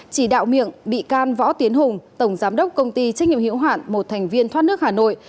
chỉ đạo miệng bị can võ tiến hùng tổng giám đốc công ty trách nhiệm hiểu hạn một thành viên thoát nước hà nội